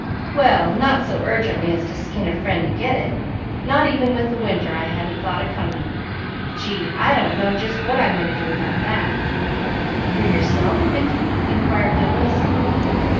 "Well not so urgently as to skin a friend to get it not even with the winter I hadn't thought of coming. Gee I don't know just what I am going to do about that." "For yourself, Mickey?" inquired Douglas.